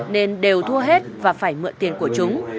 nên đều thua hết và phải mượn tiền của chúng